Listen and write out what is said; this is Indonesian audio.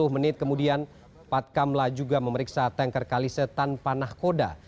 tiga puluh menit kemudian patkam la juga memeriksa tanker kalise tanpa nahkoda